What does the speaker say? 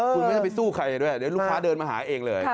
คุณไม่ต้องไปสู้ใครด้วยเดี๋ยวลูกค้าเดินมาหาเองเลย